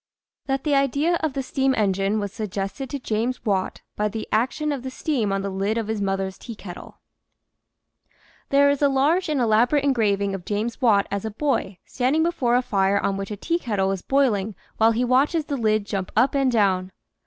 THAT THE IDEA OF THE STEAM ENGINE WAS SUGGESTED TO JAMES WATT BY THE AC TION OF THE STEAM ON THE LID OF HIS MOTHER'S TEAKETTLE HERE is a large and elaborate engraving of James Watt as a boy standing before a fire on which a teakettle is boiling while he watches the lid jump up and down.